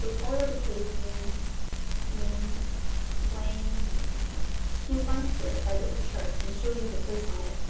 They called at a place named named Waing Do you mind, sir, if I get the chart and show you the place on it?